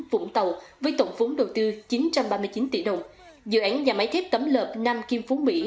vũng tàu với tổng vốn đầu tư chín trăm ba mươi chín tỷ đồng dự án nhà máy thép tấm lợp nam kim phú mỹ